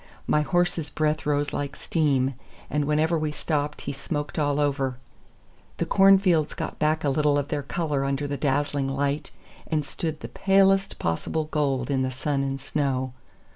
My horse's breath rose like steam, and whenever we stopped he smoked all over. The cornfields got back a little of their color under the dazzling light, and stood the palest possible gold in the sun and snow.